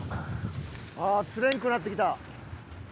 ああ釣れんくなってきた！